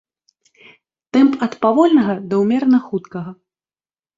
Тэмп ад павольнага да ўмерана хуткага.